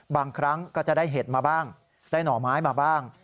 บางครั้งก็จะได้เห็ดมาบ้างได้หน่อไม้มาบ้าง